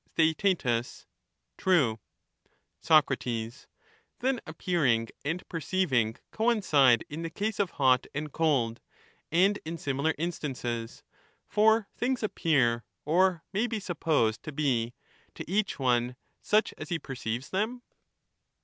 Theaet, True. Soc, Then appearing and perceiving coincide in the case This is true of hot and cold, and in similar instances ; for things appear, *^^^^ or may be supposed to be, to each one such as he perceives them?